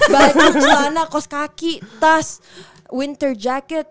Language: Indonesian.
balik lantai celana kaos kaki tas winter jacket